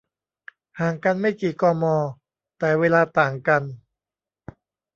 ห่างกันไม่กี่ กม แต่เวลาต่างกัน